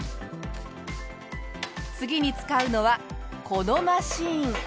次に使うのはこのマシン。